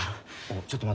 ちょっと待て。